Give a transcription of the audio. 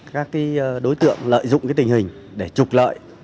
các đối tượng lợi dụng tình hình để trục lợi